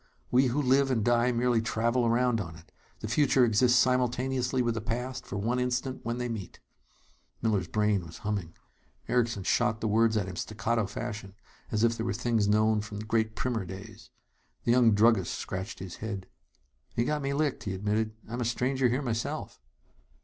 We who live and die merely travel around on it. The future exists simultaneously with the past, for one instant when they meet." Miller's brain was humming. Erickson shot the words at him staccato fashion, as if they were things known from Great Primer days. The young druggist scratched his head. "You've got me licked," he admitted. "I'm a stranger here, myself."